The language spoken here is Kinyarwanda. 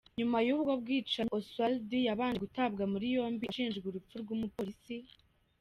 Nyuma y’ubwo bwicanyi, Oswald yabanje gutabwa muri yombi ashinjwa urupfu rw’umupolisi J.